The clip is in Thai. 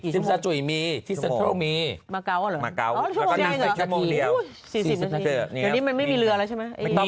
ที่ตรงมีสี่สิบกันิดหนึ่งและสี่สิบรอก็ไม่รู้ว่านี้มันไม่มีเรื่องนั้น